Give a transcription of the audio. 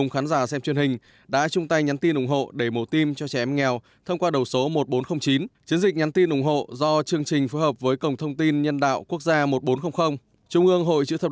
kết quả tốt đẹp